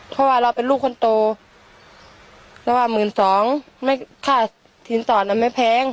เพราะว่าเราเป็นลูกคนโตแล้วว่าหมื่นสองไม่ค่าสินสอดน่ะไม่แพง